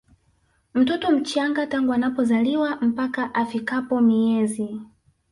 mtoto mchanga tangu anapozaliwa mpaka afikapo miezi